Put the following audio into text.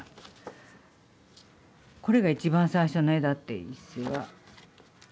これが一番最初の絵だって一成は。